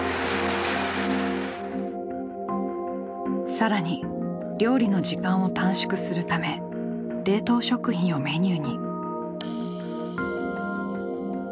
更に料理の時間を短縮するため冷凍食品をメニューに。